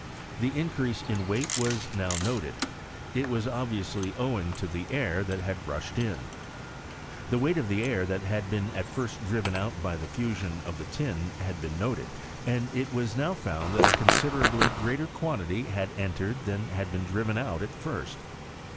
The increase of weight was now noted : it was ob viously owing to the air that had rushed in. Tlie weight of air that had been at first driven out by the fusion of the tin had been noted, and it was now found that a considerably greater quantity had en tered than had been driven out at first.